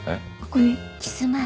ここに。